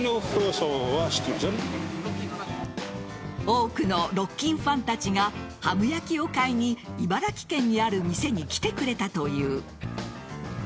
多くのロッキンファンたちがハム焼を買いに茨城県にある店に来てくれたという。